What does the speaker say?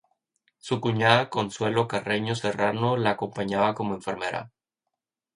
Su cuñada Consuelo Carreño Serrano la acompañaba como enfermera.